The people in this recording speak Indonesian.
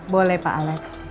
boleh pak alex